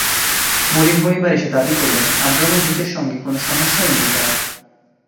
Mourinho এবার এসে দাবি করলেন আব্রামোভিচের সঙ্গে কোনো সমস্যাই নেই তাঁর।